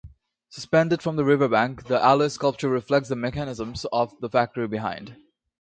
Suspended from the riverbank, the alloy sculpture reflects the mechanisms of the factory behind.